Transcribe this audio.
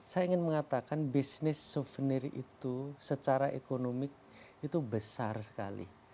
saya ingin mengatakan bisnis souvenir itu secara ekonomi itu besar sekali